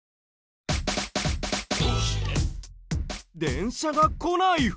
電車が来ない踏切？